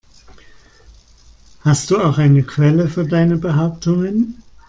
Hast du auch eine Quelle für deine Behauptungen?